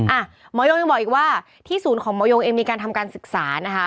อ่ะหมอยงยังบอกอีกว่าที่ศูนย์ของหมอยงเองมีการทำการศึกษานะคะ